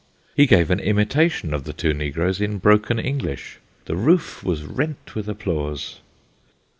He gave an imitation of the two negroes in broken English ; the roof was rent with applause.